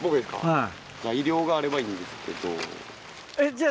はい。